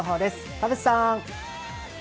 田淵さん！